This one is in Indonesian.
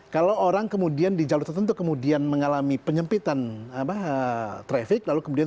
kalau orang kemudian di jalur tertentu kemudian mengalami penyempitan traffic lalu kemudian